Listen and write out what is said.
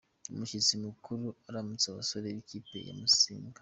Umushyitsi mukuru aramutsa abasore b’ikipe ya Muzinga.